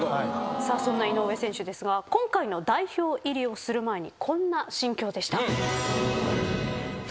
そんな井上選手ですが今回の代表入りをする前にこんな心境でした。